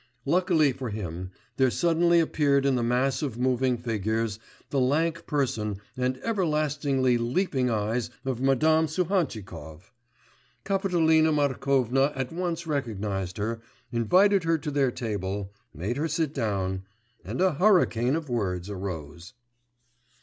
Luckily for him, there suddenly appeared in the mass of moving figures the lank person and everlastingly leaping eyes of Madame Suhantchikov. Kapitolina Markovna at once recognised her, invited her to their table, made her sit down, and a hurricane of words arose.